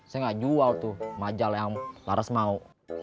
saya gak jual tuh majal yang laras mau